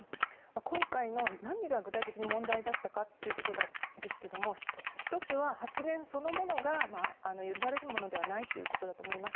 今回の何が具体的に問題だったかですが１つは発言そのものが許されるものではないということだと思います。